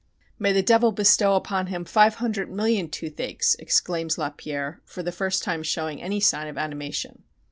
"May the devil bestow upon him five hundred million toothaches!" exclaims Lapierre, for the first time showing any sign of animation.